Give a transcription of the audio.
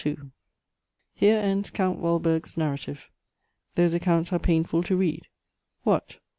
Here ends Count Waldburg's narrative: those accounts are painful to read. What!